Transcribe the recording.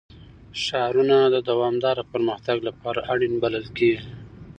ښارونه د دوامداره پرمختګ لپاره اړین بلل کېږي.